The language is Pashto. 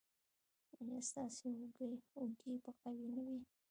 ایا ستاسو اوږې به قوي نه وي؟